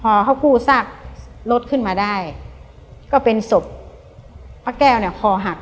พอเขากู้ซากรถขึ้นมาได้ก็เป็นศพพระแก้วเนี่ยคอหัก